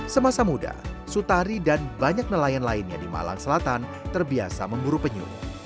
semasa muda sutari dan banyak nelayan lainnya di malang selatan terbiasa memburu penyu